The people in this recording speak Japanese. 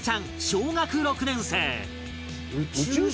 小学６年生